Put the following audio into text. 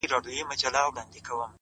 هره لاسته راوړنه د صبر نښه لري!